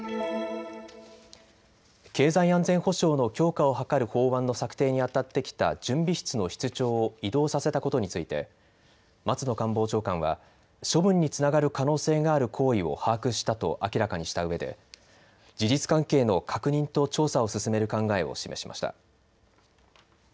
経済安全保障の強化を図る法案の策定にあたってきた準備室の室長を異動させたことについて松野官房長官は処分につながる可能性がある行為を把握したと明らかにしたうえで事実関係の確認と調査を進める考えを示しました。